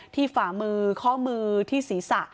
ฝ่ามือข้อมือที่ศีรษะ